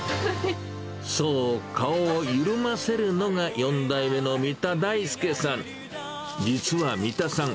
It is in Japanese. そう、顔を緩ませるのが４代目の三田大輔さん。